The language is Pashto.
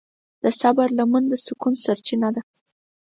د صبر لمن د سکون سرچینه ده.